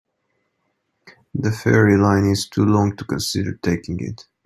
The ferry line is too long to consider taking it.